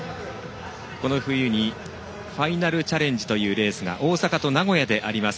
この冬にファイナルチャレンジというレースが大阪と名古屋であります。